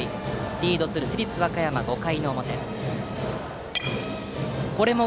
リードする市立和歌山５回の表。